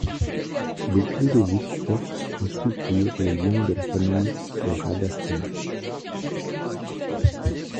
Des clés de voûte portent en sculpture le lion de la famille de Rabastens.